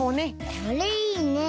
これいいね！